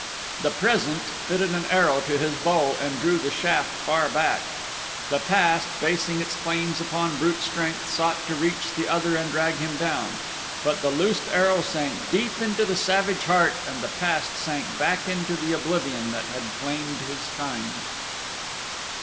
The Present fitted an arrow to his bow and drew the shaft far back. The Past basing its claims upon brute strength sought to reach the other and drag him down; but the loosed arrow sank deep into the savage heart and the Past sank back into the oblivion that had claimed his kind.